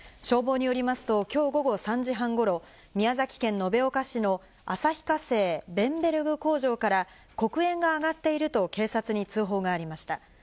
消防によりますと、きょう午後３時半ごろ、宮崎県延岡市の旭化成ベンベルグ工場から、黒煙が上がっていると警察に通報がありました。